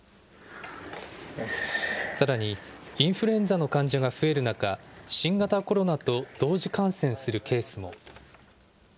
さらに、インフルエンザの患者が増える中、新型コロナと同時感染するケースも。